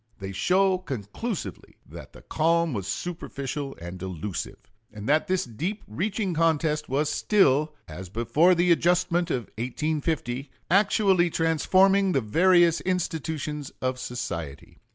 They show conclusively that the calm was superficial and delusive, and that this deep reaching contest was still, as before the adjustment of 1850, actually transforming the various institutions of society.